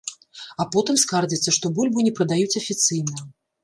А потым скардзяцца, што бульбу не прадаюць афіцыйна.